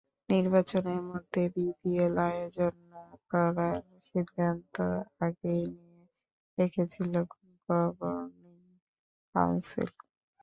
নির্বাচনের মধ্যে বিপিএল আয়োজন না করার সিদ্ধান্ত আগেই নিয়ে রেখেছিল গভর্নিং কাউন্সিল।